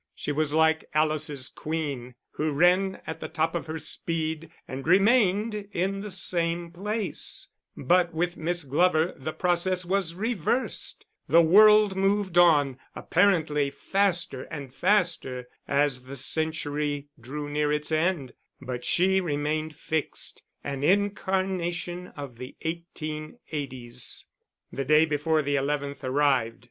She was like Alice's queen, who ran at the top of her speed and remained in the same place; but with Miss Glover the process was reversed: the world moved on, apparently faster and faster as the century drew near its end, but she remained fixed an incarnation of the eighteen eighties. The day before the 11th arrived.